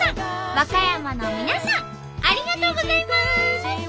和歌山の皆さんありがとうございます！